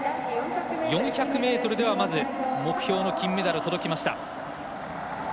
４００ｍではまず目標の金メダルに届きました。